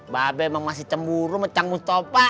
mbak be emang masih cemburu sama cang mustafa